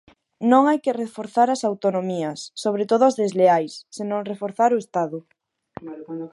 Non hai que reforzar as autonomías, sobre todo as desleais, senón reforzar o Estado.